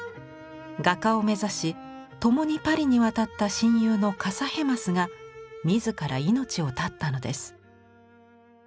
画家を目指し共にパリに渡った親友のカサヘマスが自ら命を絶ったのです。